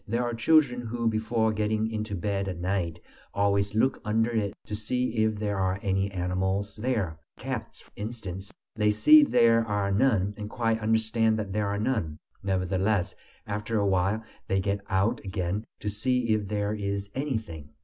There are children who, before getting into bed at night, always look under it to see if there are any animals there cats, for instance; they see there are none, and quite understand there are none. Nevertheless, after a while they get out again "to see if there is anything."